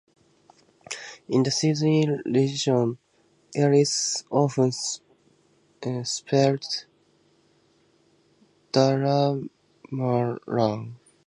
In the Sydney region it is often spelt Daramulan.